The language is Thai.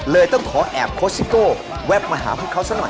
เลยต้องขอแอบโคสิโก้แวบมาหาพวกเขาสักหน่อย